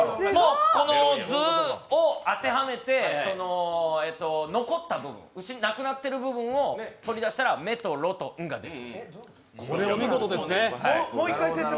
この図を当てはめて残った部分なくなってる部分を取り出したらメとロとンが残る。